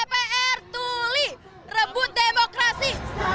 dpr tuli rebut demokrasi